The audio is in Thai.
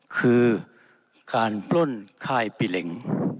คือการปล้นค่ายปีเหล็ง